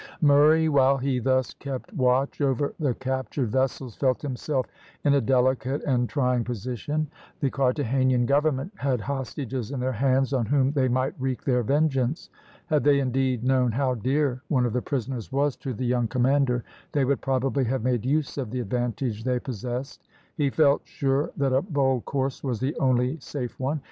Murray, while he thus kept watch over the captured vessels, felt himself in a delicate and trying position. The Carthagenan government had hostages in their hands on whom they might wreak their vengeance. Had they, indeed, known how dear one of the prisoners was to the young commander, they would probably have made use of the advantage they possessed. He felt sure that a bold course was the only safe one.